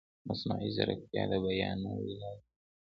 مصنوعي ځیرکتیا د بیان نوې لارې رامنځته کوي.